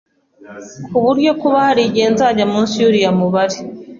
ku buryo kuba hari igihe zajya munsi y’uriya mubare